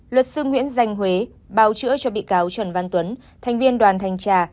luật sư nguyễn danh huế báo chữa cho bị cáo trần văn tuấn thành viên đoàn thanh tra